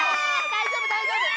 大丈夫大丈夫。